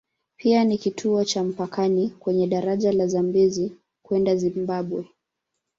Pia ni kituo cha mpakani kwenye daraja la Zambezi kwenda Zimbabwe.